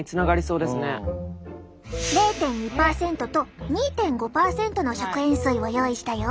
０．２％と２．５％の食塩水を用意したよ！